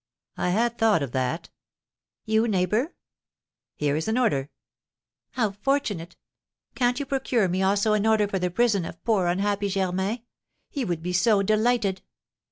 "I had thought of that." "You, neighbour?" "Here is an order." "How fortunate! Can't you procure me also an order for the prison of poor, unhappy Germain? He would be so delighted!"